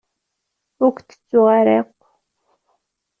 Ur kent-ttuɣ ara akk.